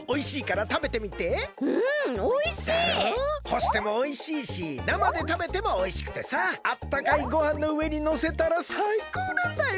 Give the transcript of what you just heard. ほしてもおいしいしなまでたべてもおいしくてさあったかいごはんのうえにのせたらさいこうなんだよ。